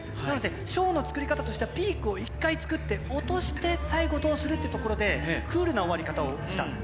なので、ショーの作り方としては、ピークを一回作って、落として、最後、どうするってところで、クールな終わり方をした。